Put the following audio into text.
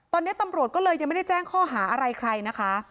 ตอนนี้ตำรวจก็เลยยังไม่ได้แจ้งข้อหาอะไรใครนะคะ